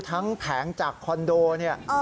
แผงจากคอนโดเนี่ย